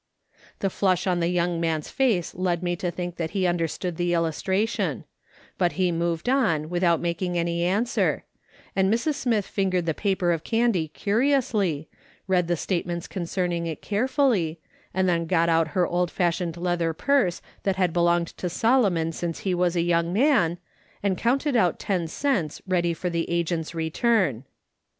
The flush on the young man's face led me to think that he understood the illustration ; but he moved on without making any answer, and Mrs. Smith fingered the paper of candy curiously, read the state ments concerning it carefully, then got out her old fashioned leather purse that liad belonged to Solo mon since he was a young man, and counted out ten cents ready for the agent's return.